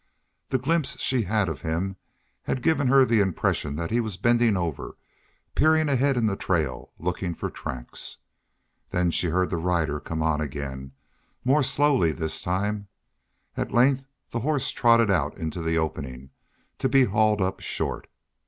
The glimpse she had of him had given her the impression that he was bending over, peering ahead in the trail, looking for tracks. Then she heard the rider come on again, more slowly this time. At length the horse trotted out into the opening, to be hauled up short.